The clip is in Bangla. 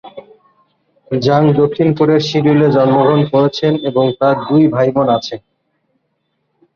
জাং দক্ষিণ কোরিয়ার সিউলে জন্মগ্রহণ করেছেন এবং তার দুই ভাই-বোন আছে।